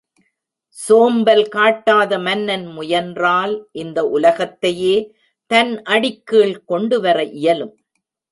சோம்பல் காட்டாத மன்னன் முயன்றால் இந்த உலகத்தையே தன் அடிக்கீழ் கொண்டுவர இயலும்.